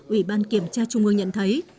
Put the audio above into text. ubnd kiểm tra trung ương nhận thấy